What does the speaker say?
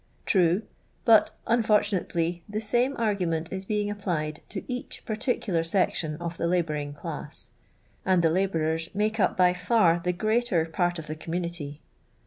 True; but unfortunately the I same argument is being applied to each particular section of the labouring class,— and the labourers make up by far the greater part of the community.